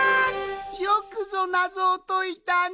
よくぞナゾをといたの！